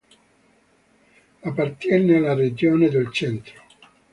Appartiene alla regione del Centro.